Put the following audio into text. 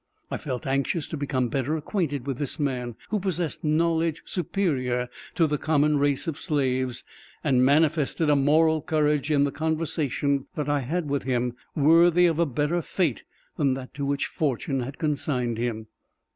I felt anxious to become better acquainted with this man, who possessed knowledge superior to the common race of slaves, and manifested a moral courage in the conversation that I had with him, worthy of a better fate than that to which fortune had consigned him.